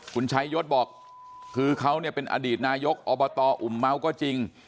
คุณชัยยศบอกคือเขาเนี่ยเป็นอดีตนายกอบตอุ่มเมาก็จริง